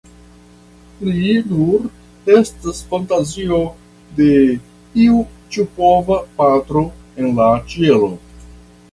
Li nur estas fantazio de iu ĉiopova patro en la ĉielo.